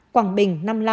quảng bình năm mươi năm